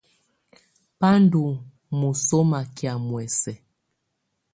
Bá ndɔ̀ mɔ̀sɔmà kɛ̀á muɛ̀sɛ̀.